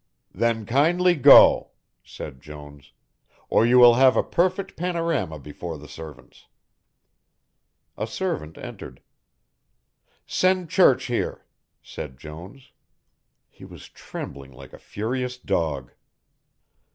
"Then kindly go," said Jones, "or you will have a perfect panorama before the servants." A servant entered. "Send Church here," said Jones. He was trembling like a furious dog.